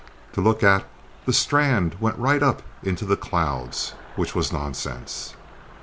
To look at, the strand went right up into the clouds, which was nonsense.